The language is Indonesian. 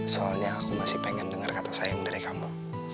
soalnya aku masih pengen dengar kata sayang dari kamu